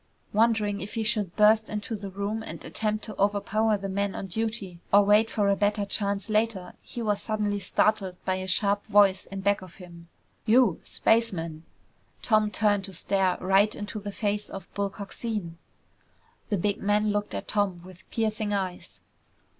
Wondering if he should burst into the room and attempt to overpower the men on duty, or wait for a better chance later, he was suddenly startled by a sharp voice in back of him. "You spaceman!" Tom turned to stare right into the face of Bull Coxine! The big man looked at Tom with piercing eyes.